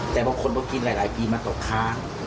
แต่บางคนก็กินหลายปีมาตกค้าง